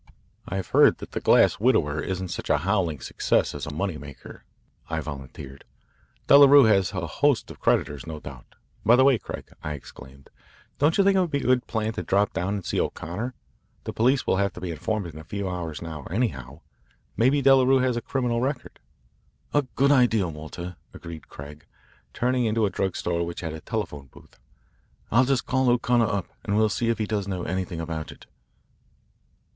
"I've heard that 'The Grass Widower' isn't such a howling success as a money maker," I volunteered. "Delarue has a host of creditors, no doubt. By the way, Craig," I exclaimed, "don't you think it would be a good plan to drop down and see O'Connor? The police will have to be informed in a few hours now, anyhow. Maybe Delarue has a criminal record." "A good idea, Walter," agreed Craig, turning into a drug store which had a telephone booth. "I'll just call O'Connor up, and we'll see if he does know anything about it.